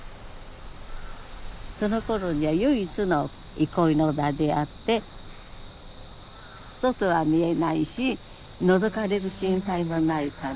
そのころには唯一の憩いの場であって外は見えないしのぞかれる心配もないから。